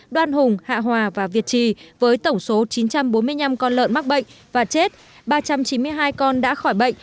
đoan hùng hạ hòa và việt trì với tổng số chín trăm bốn mươi năm con lợn mắc bệnh và chết ba trăm chín mươi hai con đã khỏi bệnh